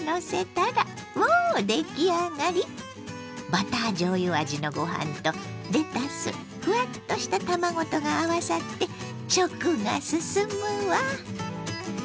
バターじょうゆ味のご飯とレタスふわっとした卵とが合わさって食が進むわ。